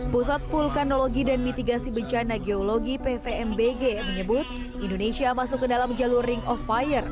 pusat vulkanologi dan mitigasi bencana geologi pvmbg menyebut indonesia masuk ke dalam jalur ring of fire